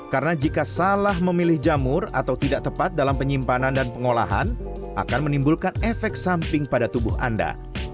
karena jika salah memilih jamur atau tidak tepat dalam penyimpanan dan pengolahan akan menimbulkan efek samping pada tubuh anda